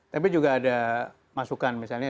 tapi juga ada masukan misalnya